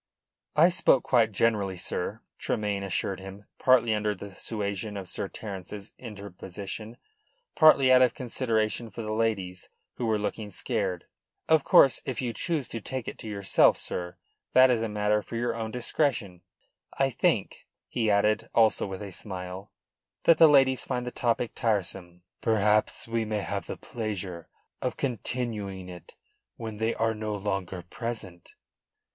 "I spoke quite generally, sir," Tremayne assured him, partly under the suasion of Sir Terence's interposition, partly out of consideration for the ladies, who were looking scared. "Of course, if you choose to take it to yourself, sir, that is a matter for your own discretion. I think," he added, also with a smile, "that the ladies find the topic tiresome." "Perhaps we may have the pleasure of continuing it when they are no longer present."